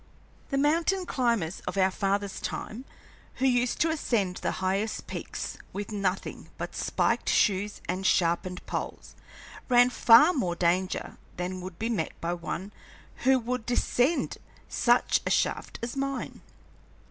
The mountain climbers of our fathers' time, who used to ascend the highest peaks with nothing but spiked shoes and sharpened poles, ran far more danger than would be met by one who would descend such a shaft as mine.